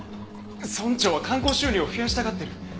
村長は観光収入を増やしたがってる。